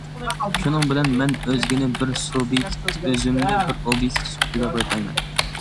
شۇنىڭ بىلەن، مەن ئۆزگىنى بىر سۇبيېكت، ئۆزۈمنى بىر ئوبيېكت سۈپىتىدە بايقايمەن.